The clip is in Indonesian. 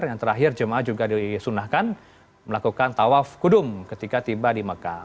yang terakhir jemaah juga disunahkan melakukan tawaf kudum ketika tiba di mekah